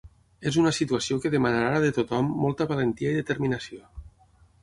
És una situació que demanarà de tothom molta valentia i determinació.